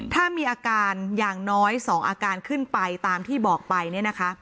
ถ้ามีอาการอย่างน้อย๒อาการขึ้นไปตามที่บอกไปเนี่ยนะคะ